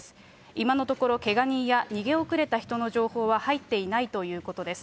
今のところ、けが人や逃げ遅れた人の情報は入っていないということです。